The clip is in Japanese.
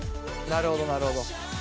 なるほどなるほど。